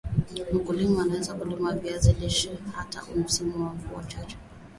Mkulima anweza kulima viazi lishe hata msimu wa mvua chache